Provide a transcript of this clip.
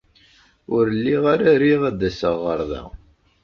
Ur lliɣ ara riɣ ad d-aseɣ ɣer da.